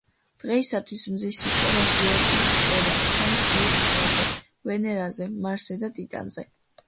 დღეისათვის მზის სისტემაში ერგი გვხვდება სამ ციურ სხეულზე: ვენერაზე, მარსზე და ტიტანზე.